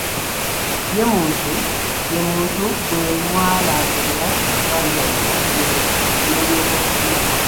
Ye muntu bwe mwalambula ekibanja ggwe n'olyoka okigula.